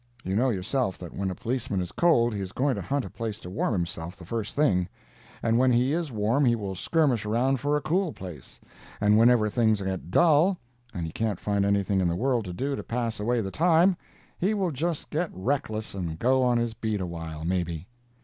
You know yourself that when a policeman is cold he is going to hunt a place to warm himself the first thing, and when he is warm he will skirmish around for a cool place; and whenever things get dull, and he can't find anything in the world to do to pass away the time, he will just get reckless and go on his beat awhile, maybe.